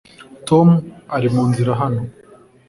tom ari munzira hano